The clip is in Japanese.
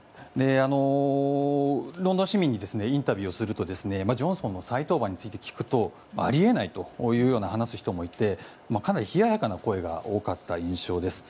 ロンドン市民にインタビューをするとジョンソンの再登板について聞くとあり得ないと話す人もいてかなり冷ややかな声が多かった印象です。